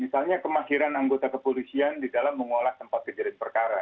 misalnya kemahiran anggota kepolisian di dalam mengolah tempat kejadian perkara